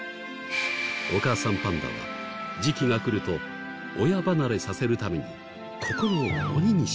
お母さんパンダは時期が来ると親離れさせるために心を鬼にして。